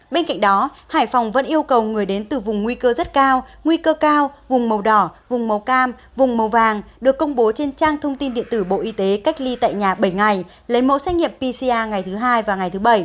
bên cạnh đó hải phòng vẫn yêu cầu người đến từ vùng nguy cơ rất cao nguy cơ cao vùng màu đỏ vùng màu cam vùng màu vàng được công bố trên trang thông tin điện tử bộ y tế cách ly tại nhà bảy ngày lấy mẫu xét nghiệm pcr ngày thứ hai và ngày thứ bảy